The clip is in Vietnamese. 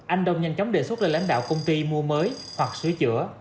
anh đông nhanh chóng đề xuất lên lãnh đạo công ty mua mới hoặc sửa chữa